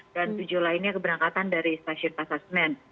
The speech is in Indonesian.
dan tujuh lainnya keberangkatan dari stasiun pasasemen